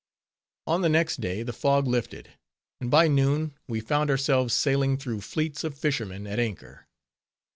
On the next day, the fog lifted; and by noon, we found ourselves sailing through fleets of fishermen at anchor.